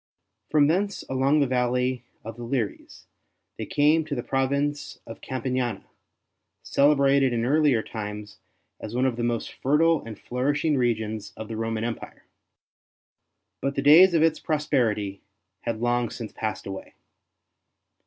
From thence along the valley of the Liris, they came to the province of Campania, celebrated in earlier times as one of the most fertile and flourishing regions of the Roman Empire. But the days of its prosperity had long since passed away.